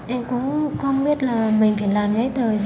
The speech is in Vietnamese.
em cũng không biết là mình phải làm cái thời gì